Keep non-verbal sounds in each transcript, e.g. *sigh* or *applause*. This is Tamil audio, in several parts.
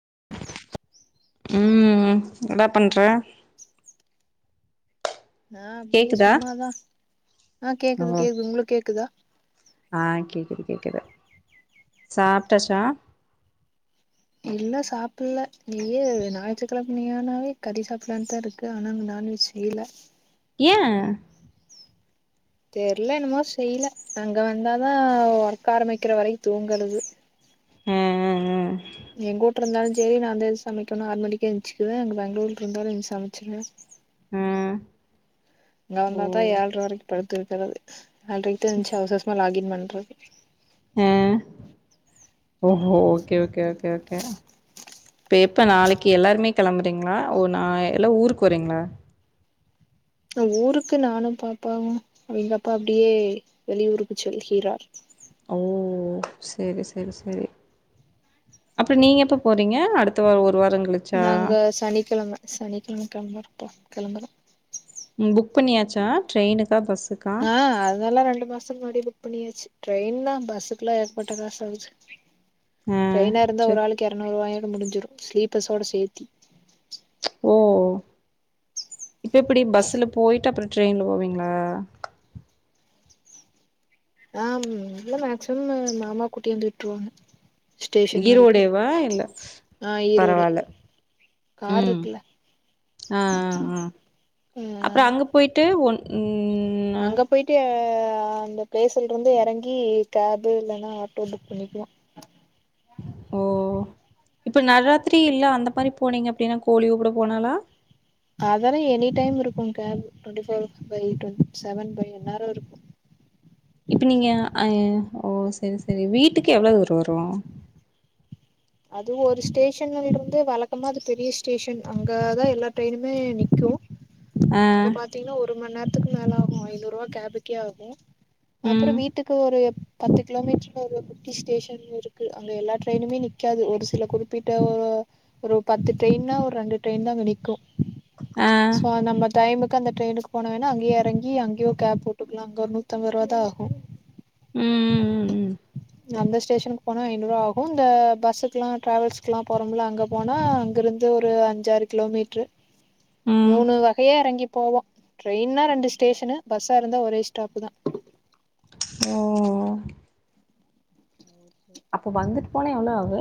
*inaudible* உம் என்டா பண்ற ஆஹ் அப்படியே கேக்குதா சும்மாதான் ஆஹ் கேக்குது கேக்குது உங்களும் கேக்குதா ஆஹ் கேக்குது கேக்குது சாப்பிட்டாச்சா இல்ல சாப்பிடல இயே ஞாயிற்றுக்கிழமையானாவே கறி சாப்பிடலான்னுதான் இருக்கு ஆனா அங்க நான்வெஜ் செய்யல என் தெர்ல என்னமோ செய்யல அங்க வந்தாதான் ஒர்க்க ஆரம்பிக்கிற வரைக்கும் தூங்குறது ஹம் உம் உம் எங்க வீட்டு இருந்தாலும் சரி நான் அந்த எது சமைக்கணும் ஆறு மணிக்கக்கு எந்துச்சுக்குவேன் அங்க பெங்களூர்ல இருந்தாலும் சமைச்சிருேன் உம் அங்க வந்தாதான் ஏழுரை வரைக்கும் படு- இருக்கிறது எழுரைக்கு தான் எந்திருச்சு அவசர அவசரமா லாகின் பண்ணேன் *unintelligible* ஹ் ஓஹோ ஓகே ஓகேகே கே இப்ப எப்ப நாளைக்கு எல்லாருமே கிளம்புறீங்களா ஓ நா எல்லாம் ஊருக்கு வரீங்களா ஊருக்கு நானும் பாப்பாவும் அவங்க அப்பா அப்படியே வெளியூறுக்கு செல்கிறார் ஓ சரி சரி சரி அப்புறம் நீங்க எப்ப போறீங்க அடுத்த வாரம் ஒரு- வாரோ கழிச்சா நாங்க சனிக்கிழமை சனிக்கிழமை கிளம்புறோம் அப்ப கிளம்பலாம் உம் புக் பண்ணியாச்சா ட்ரெயினக்கா பஸ் ஆஹ் அதல்லா ரெண்டு மாசம் முன்னாடிே புக் பண்ணிய சு ட்ரெயின்லா பஸ்ஸுக்குல்லா ஏகப்பட்ட காசு ஆய்ருச்சு ஆ ட்ரெயினா இருந்தா ட்ரெ ஒரு ஆளுக்கு எரநூறு ரூபாயு முடிஞ்சிடு ஸ்லீப்பர்ஸ்ஸோட சேத்தி ஓ இப்ப எப்டி பஸ்ல போயிட்டு அப்புறோ ட்ரெயின்ல போவீங்களா ஆஹ்ம் இல்ல மேக்சிமம் மாமா கூட்டி வந்து விட்ருவாங்க ஸ்டேஷன் வரைக்கு ஈரோடுடேவா இல்ல ஆ ஈரோடு பரவால்ல கார் உம் இருக்குல்ல ஆஹ் அஹ் அஹ் அப்புறொ ஆ அங்க போயிட்டு ஒன் உம்ம் அங்க போயிட்டு ஆ ஆ அந்த பிளேஸ்ல இருந்து எறங்கி கேப்பு இல்லன்னா ஆட்டோ புக் பண்ணிக்கலா ஓ இப்ப நவராத்திரி இல்ல அந்த மாரி போனீங்க அப்டின்னா கோழியூ கூட போனாளா அதெல்லா எனி டைம் இருக்கு gap twenty four by seven by என்னாரு இருக்கு இப்ப நீங்க அஹ் ஓ சரி சரி வீட்டுக்கு எவ்வள தூரொ வரு அதுவு ஒரு ஸ்டேஷன் இருந்து வழக்கமா அது பெரிய ஸ்டேஷன் அங்கதா எல்லா ட்ரெயினுமே நிக்கும் ஆ அங்க பாத்தீங்கன்னா ஒரு ஒரு மண் நேரத்துக்கு மேல ஆகு ஐநூறு ரூபா கேபுக்கே ஆகு ம் அப்புறம் வீட்டுக்கு ஒரு பத்து கிலோமீட்டர்ல ஒரு குட்டி ஸ்டேஷன் இருக்கு அங்க எல்லா ட்ரெயினுமே நிக் நிக்காது ஒரு சில குறிப்பிட்ட ஒரு ஒரு பத்து ட்ரெயின் நா ஒரு ரெண்டு ட்ரெயின் தா அங்க நிக்கும் ஆ சோ நம்ம டைமுக் அந்த ட்ரெயினுக்கு போனேனா அங்கயே இறங்கி அங்கயே கேப் போட்டுக்கலாம் அங்க ஒரு நூத்தம்பது ரூபாதா ஆகும் உம் உம் உம் உம் அந்த ஸ்டேஷனுக்கு போனால் ஐநூறுவா ஆகும் இந்த பஸ்சுக்கெலாம் ட்ராவல்ஸ்க்கெலாம் போகறமல அங்கே போனால் அங்கிருந்து ஒரு அஞ்சாறு கிலோமீட்ரு ம் மூணு வகையா எறங்கி போவோம் ட்ரெயின்னா ரெண்டு ஸ்டேஷனு பஸ்ஸா இருந்தா ஒரே ஸ்டாப்பு தா ஓ ஓ ச்சேரி அப்ப வந்துட்டு போனா எவ்வளோ ஆகு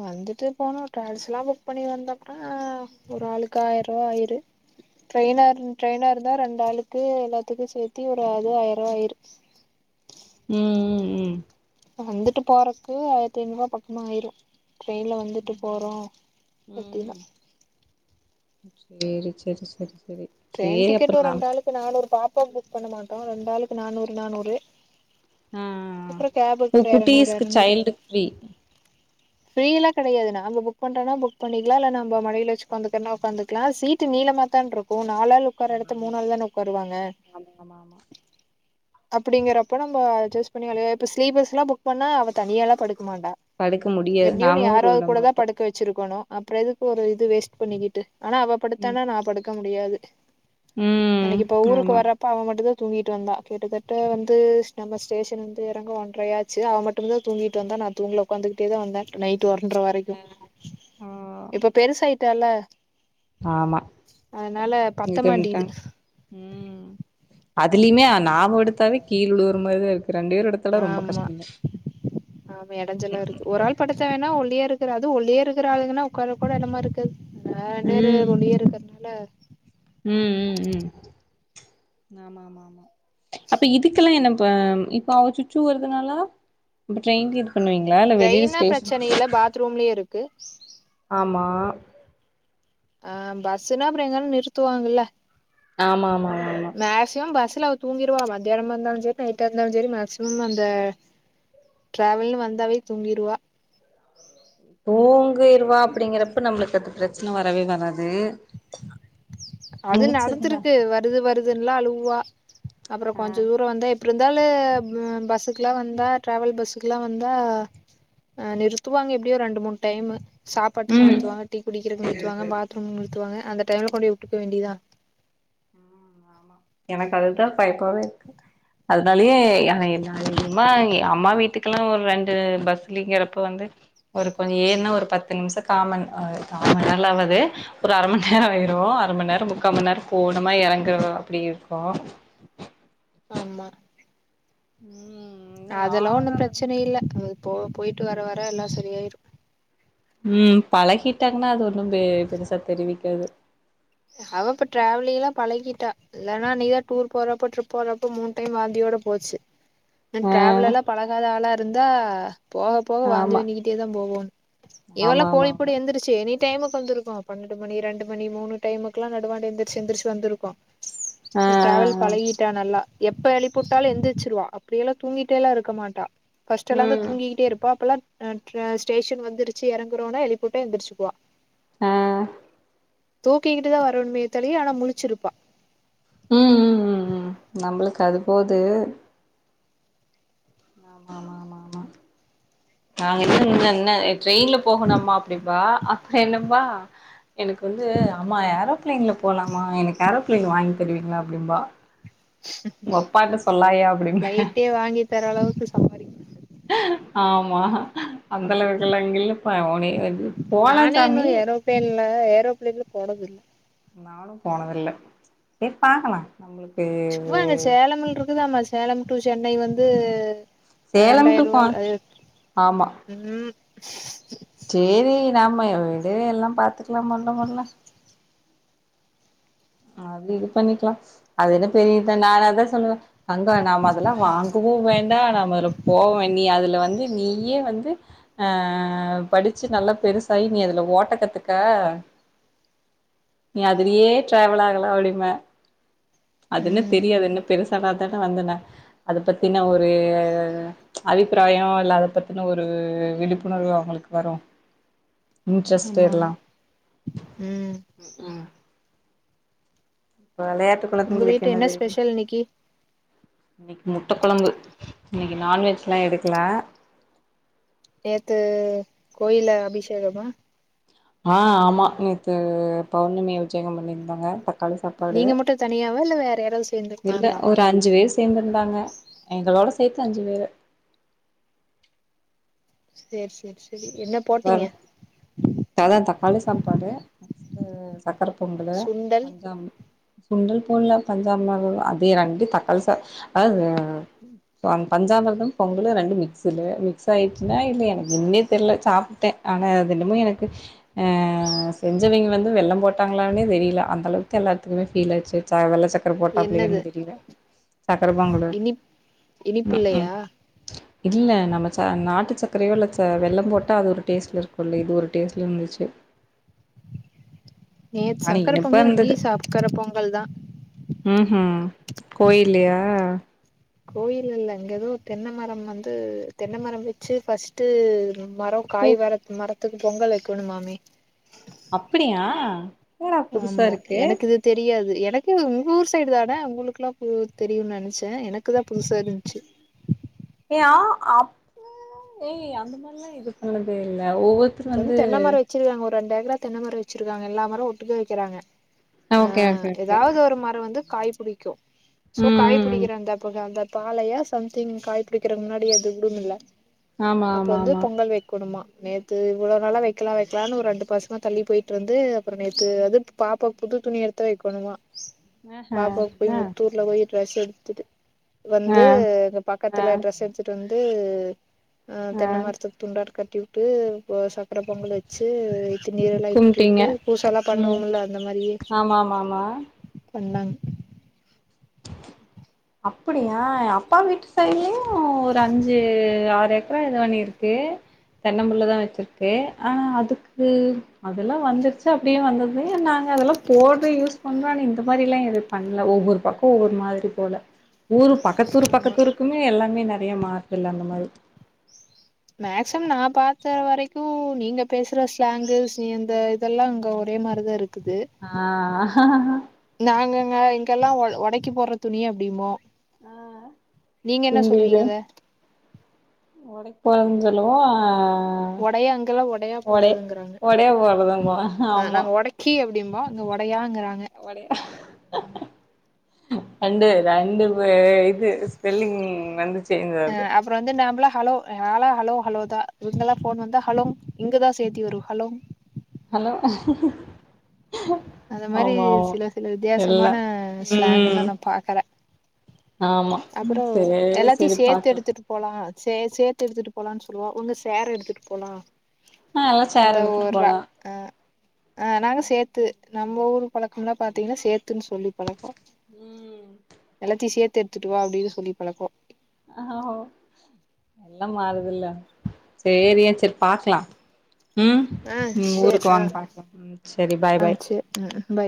வந்துட்டு போனா டிராவல்ஸ் எல்லாம் புக் பண்ணி வந்தம்னா ஒரு ஆளுக்கு ஆயிரம் ரூபா ஆயுறு ட்ரெய்னா ட்ரெய்னா இருந்தா ரெண்டு ஆளுக்கு எல்லாத்துக்கும் சேர்த்தி ஒரு அது ஆயிரம் ரூபா ஆயிரு உம் உம் உம் வந்துட்டு போறதுக்கு ஆயிரத்தி ஐநூறுபா பக்கமா ஆயிரு ட்ரெயினில் வந்துட்டு போறோம் ம் அப்படினா ம் சேரி சரி சரி ட்ரெயின் டிக்கெட் ஒரு ரெண்டு ஆளுக்கு நானூறு தா டிக்கெட் புக் பண்ண மாட்டோம் ரெண்டாளுக்கு நானூறு நானூறு ஆ ஆ அப்றோ கேபுக்கு ஆ ஒரு எரநூறு குட்டீஸ்க்கு சைல்டு ஃப்ரீ ஃப்ரீயெல்லாம் கிடையாது நாம புக் பண்றனா புக் பண்ணிக்கலாம் இல்ல நம்ம மடியில வச்சு உக்காந்துக்கலான்னா உக்காந்துக்கலாம் சீட்டு நீளமா தான் இருக்கும் நால் ஆலு உக்கார எடத்துல ஆமா மூணாள் தானே உக்காருவாங்க ஆமா ஆமா ஆமா அப்படிங்கறப்ப நம்ம *unintelligible* இப்ப ஸ்லிப் பஸ்ல்லா புக் பண்ணா அவ தனியாலா படுக் அமாண்டா படுக்க முடியாது எப்படியு நீ நாமு யாராது விட கூடதா மாட்டோ படுக்க வச்சிருக்கணு அப்புறம் எதுக்கு ஒரு இது வேஸ்ட் பண்ணிக்கிட்டு ஆனா அவ ம் படுத்தானா நா படு இருக்க முடியாது ம் அன்னைக்கு இப்ப ஊருக்கு ஆமா வர்றப்ப அவன் மட்டும்தான் தூங்கிட்டு வந்தா கிட்டுத்தட்ட வந்து நம்மஸ் ஸ்டேஷன் வந்து எறங்க ஒன்றயாச்சு அவ மட்டும்தா தூங்கிட்டு வந்தா நா தூங்கல உக்காந்துக்கிட்டே தா வந்தே நைட் *unintelligible* வரைக்கும் ஆ இப்ப பெருசா ட்டல ஆமா பத்த இது மாட்டிது விட்டாங்க உம் அதுலயுமே நாம எடுத்தாவே கீழுற மாரிதா இருக் ஆமா ஆமா எடஞ்சல்லா இருக்கு ஒரு ஆள் படுத்த வேணா ஒல்லியா இருக் குரு அதுவு ஒல்லியா இருக்குற ஆளுக்கன்னா உக்கார கூட எடமா இருக்கு ஆஹ் நேரு ஒல்லியா இருக்கறனால உம் உம் உம் ஆமா ஆமா ஆமா அப்ப இதுக்கெல்லா என்ன ப இப்ப அவ சுச்ச வருதுனால இப்ப ட்ரெயின்கு இரு பண்ணுவீங்களா இல்ல வெளில ஸ்டேஷன் கு அமா ஆஹ் பஸ்ன்னா அப்பறொ எங்கானா நிறுத்துவாங்கல்ல ஆமா ஆமா ஆமா ஆமா மேக்சிமம் பஸ்ல தூங்கிருவா மத்தியானமா இருந்தாலு சேரி நைடா இருந்தாலு சேரி மேக்சிமம் அந்த டிராவல்னு வந்தாவே தூங்கிறுவா தூங்கிறுவா அப்டிங்கிறப்ப நம்மளுக்கு அது பிரச்சன வரவே வராது அது முழிச்சிருந்தா நடந்திருக்கு வருது வருதுன்ல்லா அழுவு வா அப்பறோ ஆ கொஞ்சொ தூரொ வந்தா இப் அப்ற இருந்தாலு பஸ்ஸுக்குலா வந்தா ட்ராவல் பஸ்ஸுக்குலா வந்தா உ நிறுத்துவாங்க எப்டியோ ஒரு ரெண்டு மூணு டைம்மு சாப்பாட்டுக்கு ம் நிறுத்துவாங்க டீ குடிக்கிறதுக்கு நிறுத்துவாங்க பாத்ரூம் நிறுத்துவாங்க அந்த டைம்ல கொண்டுய விட்டு பபோ வேண்டியதா எனக்கு அதுதா சைக்கோவே இருக்கு அதனால யே ஏ ஏமா அம்மா வீட்டுக்கெல்லா ஒரு ரெண்டு பஸ்லிங்கிறப்ப வந்து ஒரு கொஞ்சொ ஏனா ஒரு பத்து நிமிஷ காமன் ஆ காமணிே நேர ஆவது ஒரு அர மணி நேரொ ஆயிருவு அர மணி நேர முக்கா மணி நேரொ போனுமா எறங்குற அப்டி இருக்கு ஆமா உம் அதெல்லா ஒண்ணு பிரச்சன இல்ல அ போ போயிட்டு வர வர எல்லா சரியாயிரு உம் பழகிட்டாங்கன்னா அது ஒண்ணு பெ பெருசா தெரிவிக்காது அவ இப்ப டிராவலிங்ல்லா பழகிட்டா இல்லன்னா நீதா டூர் போறப்போ ட்ரிப் போறப்போ மூணு டைம் வாந்தியோட போச்சு உ ஆ டிராவல் எல்லா பழகாத ஆளா இருந் ந்தா போக போக வாந்தி ஆமா பண்ணிக்கிட்டே தா போகணோ ஆமா இவெல்லா ஆமா ஆமா கோயில் போக எழுந்திரச்சு இனி டைமுக்கு வந்திருக்கோ பன்னெண்டு மணி ரெண்டு மணி மூணு டைமுக்கு எல்லா நடவாண்ட எந்திரச்சு எந்திரச்சுலா வந்திருக்கோ ஆ ட்ராவெல் ஆ பழகிட்டா நல்லா எப்ப எழிப்பிவுட்டாலு எந்திருச்சுருவ அப்படியெ எல்லா தூங்கிட்டேல்லா இருக்க மாட்டா பஸ்ட் எல்லா ம் தூங்கிக்கிட்டே இருப்பா இப்பெல்லா ஆஹ் ஸ்டேஷன் வந்துருச்சு இறங்குறோனா எழுப்பிவிட்ட எந்துருச்சிக்குவா ஆஹ் தூக்கிக்கிட்டு தா வரவணுமே தோளியே ஆனா முளிச்சிருப்பா உம் உம் உம் உம் நம்மளுக்கு அது போது ஆமா ஆமா ஆமா ஆமா நாங்க என்ன செய்வோன்ன ட்ரெயின்ல போகணுமா அப்டின்பா அப்புறோ என்னபா எனக்கு வந்து அம்மா ஏரோப்பிளைன்ல போலாமா எனக்கு ஏரோ ஏரோப்பிளையன் வாங்கி தருவீங்களா அப்டிம்பா உங்க அப்பாட்ட சொல்லாயா அப்டிம்பே பிளைட்டே வாங்கி தர அளவுக்கு சம்பதி ஆமா அந்த அளவுக்குள்ளாம் இங்க இல்ல பவுனே இது போலாம் சாமி ஏரோப்பிளேன்ல போனது இல்ல நானும் போனதில்ல சேரி பாக்கலா நம்மளுக்கு சும்மா அங்க சேலம் இருக்குதா மா சேலம் டு சென்னை வந்து சேலம் ரெண்டாயிர டு கோ ரூபா அ ஆமா உஹம் சேரி நாம விடவே எல்லா பாத்துக்கலாம் பண்ணலா பண்ணலா அது இது பண்ணிக்கலா அது என்ன பெரிய இதா நா அதான் சொல்லுவே அங்க நாம அதெல்லா வாங்கவு வேண்ட நா போவேன் நீ அதுல வந்து நீயே வந்து அஹ் படிச்சு நல்லா பெருசாயி நீ அதுல ஓட்ட கத்துக்க நீ அதுலயே டிராவல் ஆகலா அப்டின்பே அது என்ன ம் தெரியாது என்ன பெருசான தானே வந்தனே அத பத்தின ஒரு அபிப்பிராயோ இல்ல அத பத்தின ஒரு விழிப்புணர்வு அவுங்களுக்கு வரோ ஆமா ஆமா உம் ம் ம் இப்ப விளையாட்டு உங்க கொழந்தைங்களுக்கு வீட்டு என்ன தெரியு ஸ்பெஷல் இன்னைக்கி இன்னைக்கு முட்ட கொழம்பு இன்னைக்கு நான்வெஜ்ல்லாம் எடுக்கல நேத்து கோயில்ல அபிஷேகமா ஆஹ் ஆமா நேத்து பௌர்ணமி விஜேகம் பண்ணியிருந்தாங்க ப க்காளி சாப்பாடு நீங்க மட்டு தனியாவா இல்ல வேற யாராவது இல்ல சேந்துருக்காங்களா ஒரு அஞ்சு வேர் சேர்ந்திருந்தாங்க எங்களோட செத்து அஞ்சு பேரு சேர் சேர் சே வற அதா தக்காளி சாப்பாடு ஹ்ம் சக்கர பொங்கல் சுண்டல் பஞ்சாம் சுண்டல் போடல பஞ்சாமர்த அதே ரண்டு தக்காளி சா அதாவ்து அ ப பஞ்சாமிர்தம் பொங்கல் ரண்டு மிக்ஸல் மிக்ஸ் ஆயிச்சுன்னா இல்ல எனக்கு என்னனே தெர்ல சாப்ட்டே ஆனா அதென்னமோ எனக்கு அ செஞ்சவெங்க வந்து வெள்ளம் போட்டாங்களானே தெரியல அந்தளவுக்கு எல்லாத்துக்குமே ஃபீல் ஆயிருச்சு ச வெள்ள சக் சக்கர என்னது போட்டாப்ளயான் தெரியல சக்கர பொங்கலு இனிப் உம் உம் இனிப்பில்லையா இல்ல நம்ம ச நாட்டு சக்கரையோ இல்ல ச வெள்ளம் போட் டா அது ஒரு டேஸ்ட்ல இருக்குல்லெ இது ஒரு டேஸ்ட்ல இருந்துச்சு நேத்து ஆனா சக்கர இனிப்பா பொங்கல் இருந்துது இங்கேயு சக்கர பொங்கல் தா ம்ஹும் கோயிலயா கோயில்ல இல்ல இங்க எதோ தென்னமரம் வந்து தென்னைமரம் வச்சு ஃபர்ஸ்ட் மரொ ஓ காய் வரத்து மர துக்கு பொங்கல் வைக்கணுமாமே அப்படியா என்னடா புதுசா ஆமா இருக்கு எனக்கிது தெரியாது எனக் உங்க ஊர் சைடு தான உங்களுக்குல்லா பு தெரியும்னு நெனச்ச எனக்குதா புதுசா இருந்துச்சு *unintelligible* ஏ அந்த மாதிரிலாம் இது பண்ணதே இல்ல இது வந்து தென்னை மரம் வச்சிருக்காங்க ஒரு ரெண்டு ஏக்கரா தென்னைமரம் வச்சிருக்காங்க எல்லா மரம் ஒட்டுகா வைக்கிறாங்க ஓகே அஹ் ஓகே ஓகே ஏதாவது ஒரு மரம் வந்து காய்க் புடிக்கும் சோ ம் காய் ம் ம் *unintelligible* பாளையா சம்திங் காய் புடிக்கிறதுக்கு முன்னாடி அது விடுமில்ல ஆமா அப்ப ஆமா வந்து ஆமா பொங்கல் வைக்கணுமா *unintelligible* அ இவ்வளவு நாளா வைக்கலாம் வைக்கலாம்னு ஒரு ரெண்டு மாசமா தள்ளி போயிட்டிருந்து அப்புறம் நேத்து அது பாப்பா புது துணி எடுத்து வைக்கணுமா ஆஹா பாப்பாக்கு போய் ஆ முத்தூர்ல போயி ட்ரெஸ் எடுத்துட்டு வந்து ஆ எங்க ஆ பக்கத்துல ட்ரெஸ் எடுத்துட்டு வந்து து ஆ தென்ன மரத்துக் துண்டாட்ருக்கம் ட்டி விட்டு *unintelligible* க்குற பொங்கலு வெச்சு இ திருநீறேல்லா இட்டு கும்ட்டீங்க வுட்டு பூசல்லா ம் பண்ணுவோமுல்ல அந்த மாரியே ஆமா ஆமா ஆமா வந்தாங் அப்புடியா எங்க அப்பாங் வீட் சைட்லயும் ஒரு அஞ்சு ஆறு ஏக்கரா இது பண்ணிருக்கு தென்னம்புள்ளதா வெச்சிருக்கு ஆனா அதுக்கு அதெல்லா வந்து ச்சு அப்டியே வந்தது நாங்க அதெல்லாம் போட்டு யூஸ் பண்லான் இருந் இந்த மாரில்லா எதும் பண்ல ஒவ்வொரு பக்கோ ஒவ்வொரு மாதிரி போல ஊர் பக்கத்தூர் ஆமா பக்கத்தூருக்குமே எல்லாமே ந றைய மாத்துல அந்த மாரி மேக்சம் நா பாத்த வரைக்கும் நீங்க பேசுற ஸ்லேங்கு சேந்த இதெல்லா அங்க ஒரே மாரிதா இருக் ஆ கெல்லா ஓல் ஒடைக்கி போட்ற துணிய அப்டிம்போ ஆ நீங்க என்ன இங்க சொல்லுவீங்க அத ஓடைக் போறன் சொல்லுவோ ஆ ஒடைய அங்கெல்லா ஒடையா போடுறதுங்கறாங்க ஒடையா போறதும்போ ஆஹ் நாங்க ஒடைக்கி அப்டிம் போ அவங்க ஒடையா ஒடயா ரண்டு ரண்டு பே க்கு ஸ்பெல்லிங் வந்து சேஞ்ச் அ ஆது அப்புறோ வந்து நாம்பளா ஹலோ ஹாலா ஹலோ ஹலோதா இவங்கல்லா போன் வந்தா ஹலோங் ங்கதா சேர்த்தி வரும் ஹலோ ஹலோ அந்த மாரி ஆமா சில சில எல்லா வித்தியாசமான ஸ்லாங்கலா ம் நா பாக்கல ஆமா அப்புறொ சேரி எல்லாத்தையு சேரி சேத்து பாக்கலா எடுத்துட்டு போலா சே சேத்து எடுத்துட்டு போலானு சொல்லுவா ஒன்னு சேர எடுத்துட்டு போலா ஆ எல்லா அந்த சேர் எடுத்துட்டு ஒரு போலா அ ஆ நாங்க சேத்து நம்ம ஊர் பழக்கம்லா பாத்தீங்கன்னா சேத்துன்னு சொல்லி பழக் கொ ம் எல்லாத்தியு சேத் த்துட்டுவா அப்படின் சொல்லி பழக்கொ ஆ ஒ எல்லாம் மாறுதுல்ல சரி அ சரி பாக்லா உம் ஆ ம் சேர் ஊருக்கு ஆ வாங்க பாக்கலா சரி பாய் ஆ பாய் சேர் ம் பாய்